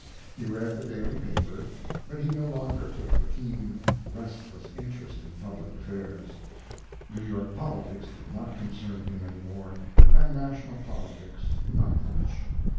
He read the daily paper, but he no longer took the keen, restless interest in public affairs. New York politics did not concern him any more, and national politics not much.